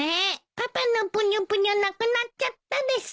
パパのぷにゅぷにゅなくなっちゃったです。